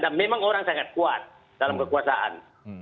dan memang orang sangat kuat dalam kekuasaan